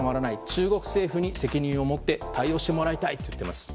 中国政府に責任を持って対応してもらいたいと言っています。